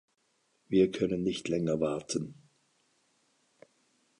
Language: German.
Wir können nicht länger warten!